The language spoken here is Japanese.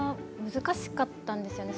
難しかったんですよね。